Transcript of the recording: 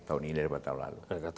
tahun ini daripada tahun lalu